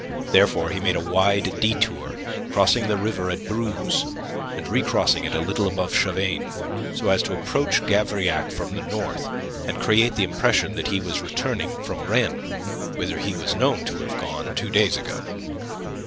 Therefore he made a wide detour, crossing the river at Bruz, and recrossing it a little above Chavagne, so as to approach Gavrillac from the north, and create the impression that he was returning from Rennes, whither he was known to have gone two days ago.